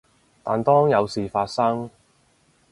但當有事發生